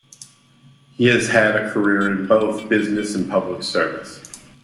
He has had a career in both business and public service.